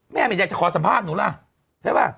แม่ไม่อยากจะขอสัมภาษณ์หนูล่ะใช่ป่ะ